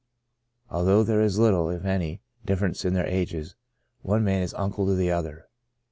Although there is little, if any, difference in their ages, one man is uncle to the other.